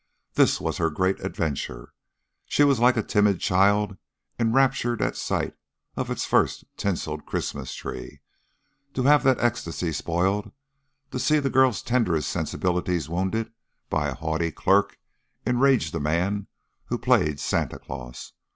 This was her great adventure. She was like a timid child, enraptured at sight of its first tinseled Christmas tree; to have that ecstacy spoiled, to see the girl's tenderest sensibilities wounded by a haughty clerk, enraged the man who played Santa Claus.